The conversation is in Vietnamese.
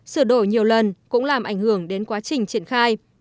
sửa đổi nhiều lần cũng làm ảnh hưởng đến quá trình triển khai